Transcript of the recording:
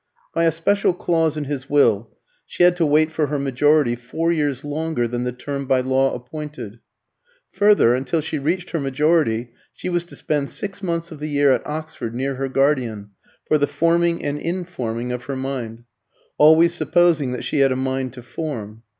By a special clause in his will, she had to wait for her majority four years longer than the term by law appointed. Further, until she reached her majority she was to spend six months of the year at Oxford, near her guardian, for the forming and informing of her mind always supposing that she had a mind to form.